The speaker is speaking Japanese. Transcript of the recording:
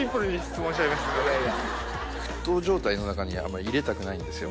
沸騰状態の中にあんまり入れたくないんですよ。